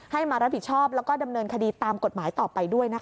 มารับผิดชอบแล้วก็ดำเนินคดีตามกฎหมายต่อไปด้วยนะคะ